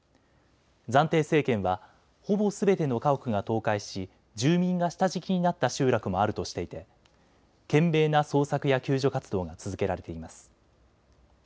暫定政権は、ほぼすべての家屋が倒壊し住民が下敷きになった集落もあるとしていて懸命な捜索や救助活動が続けられています。